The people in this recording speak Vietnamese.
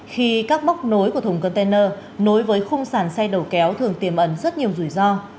khi các móc nối của thùng container nối với khung sàn xe đầu kéo thường tiềm ẩn rất nhiều rủi ro